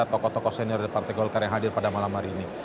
tokoh tokoh senior dari partai golkar yang hadir pada malam hari ini